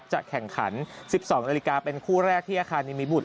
จะแข่งขัน๑๒นาฬิกาเป็นคู่แรกที่อาคารนิมิบุตร